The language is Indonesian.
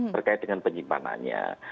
berkait dengan penyimpanannya